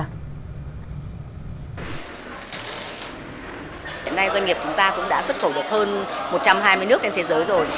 hiện nay doanh nghiệp chúng ta cũng đã xuất khẩu được hơn một trăm hai mươi nước trên thế giới rồi